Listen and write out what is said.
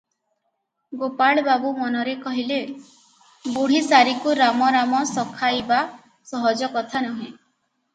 ଗୋପାଳବାବୁ ମନରେ କଲେ - ବୁଢ଼ୀ ଶାରୀକୁ ରାମ ରାମ ଶଖାଇବା ସହଜ କଥା ନୁହେ ।